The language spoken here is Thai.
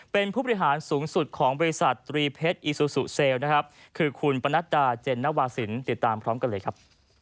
เป็นผู้บริหารสูงสุดของบริษัทตรีเพชรอีซูซูเซลลนะครับคือคุณปนัดดาเจนนวาสินติดตามพร้อมกันเลยครับ